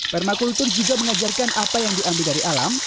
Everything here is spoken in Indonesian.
permakultur juga mengajarkan apa yang diambil dari alam